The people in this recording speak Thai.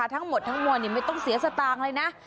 ทั้งหมดทั้งมวลไม่ต้องเสียสตางค์เลยนะ